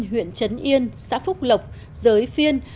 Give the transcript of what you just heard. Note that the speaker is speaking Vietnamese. huyện trấn yên xã phúc lộc giới phiên